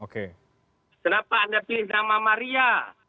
kenapa anda pilih nama maria